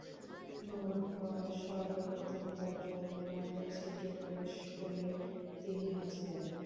রূহ্ সর্বপ্রথম তাঁর চোখ ও নাকের ছিদ্রে প্রবেশ করলে তিনি হাঁচি দেন।